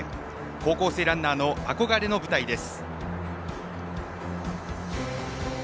高校ランナーの憧れの舞台です。